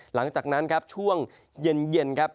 หลังจากนั้นครับช่วงเย็นครับ